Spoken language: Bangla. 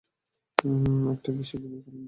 একটা বিরাট বিদায়কালীন পার্টি।